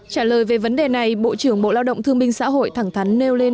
trả lời về vấn đề này bộ trưởng bộ lao động thương minh xã hội thẳng thắn nêu lên